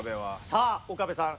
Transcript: さあ岡部さん